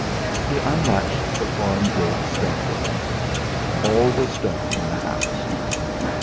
He unlatched the farm gate stealthily. All was dark in the house.